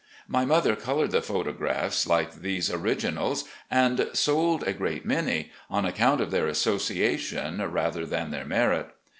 My mother coloured the photographs like these originals, and sold a great many, on accoimt of their association rather than their merit.